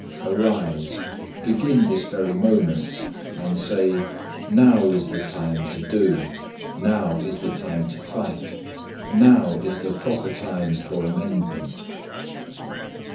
Arise, begin this very moment, and say, "Now is the time to do: now is the time to fight, now is the proper time for amendment."